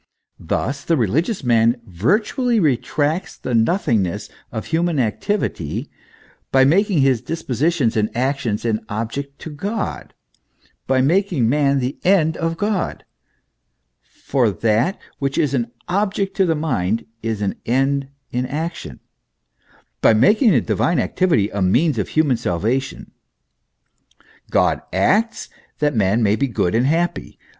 Thus the religious man virtually retracts the nothingness of human activity, by making his dispositions and actions an object to God, by making man the end of God for that which is an object to the mind is an end in action ; by making the divine activity a means of human salvation. God acts, that man may be good and happy.